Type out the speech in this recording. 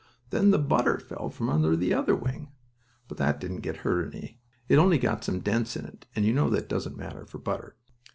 Then the butter fell from under the other wing, but that didn't get hurt any. It only got some dents in it, and you know that doesn't matter, for butter.